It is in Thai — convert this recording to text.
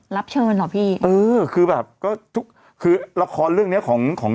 รับเชิญเหรอพี่เออคือแบบก็ทุกคือละครเรื่องเนี้ยของของ